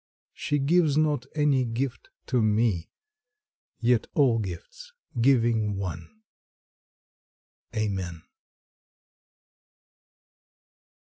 She gives not any gift to me Yet all gifts, giving one.... Amen.